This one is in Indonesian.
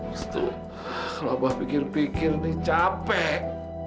itu kalau aba pikir pikir nih capek